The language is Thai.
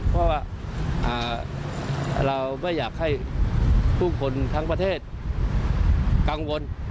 เพราะว่าเราไม่อยากให้ผู้คนทั้งประเทศกังวล